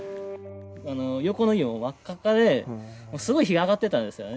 横の家がもう真っ赤っかで、すごい火が上がってたんですよね。